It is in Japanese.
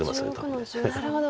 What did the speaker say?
なるほど。